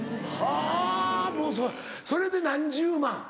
はぁもうそれで何十万。